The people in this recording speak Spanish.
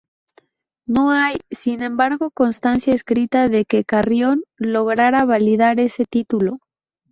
No hay, sin embargo, constancia escrita de que Carrión lograra validar ese título.